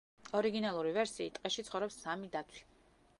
ორიგინალური ვერსიით, ტყეში ცხოვრობს სამი დათვი.